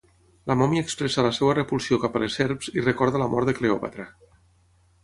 La mòmia expressa la seva repulsió cap a les serps i recorda la mort de Cleopatra.